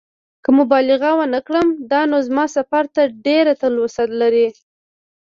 که مبالغه ونه کړم دا نو زما سفر ته ډېره تلوسه لري.